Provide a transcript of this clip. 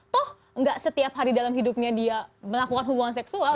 toh gak setiap hari dalam hidupnya dia melakukan hubungan seksual